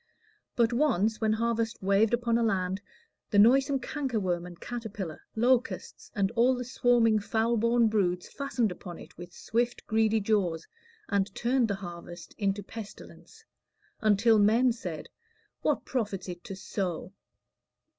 But once, when harvest waved upon a land, The noisome cankerworm and caterpillar, Locusts, and all the swarming foul born broods, Fastened upon it with swift, greedy jaws, And turned the harvest into pestilence, Until men said, What profits it to sow?